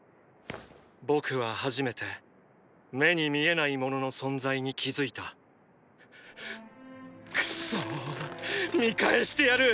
僕は初めて目に見えないものの存在に気付いたくそぅ見返してやる！